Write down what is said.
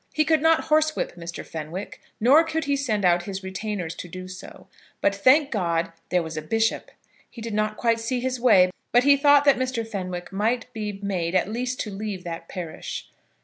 He could not horsewhip Mr. Fenwick; nor could he send out his retainers to do so; but, thank God, there was a bishop! He did not quite see his way, but he thought that Mr. Fenwick might be made at least to leave that parish.